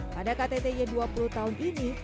pada ktty dua puluh tahun ini